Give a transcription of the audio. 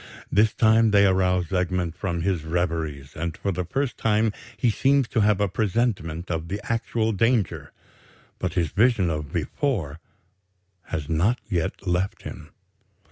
This time they arouse Egmont from his reveries; and for the first time he seems to have a presentiment of the actual danger. But his vision of before has not yet left him.